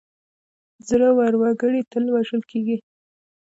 زړه ور وګړي تل وژل کېږي.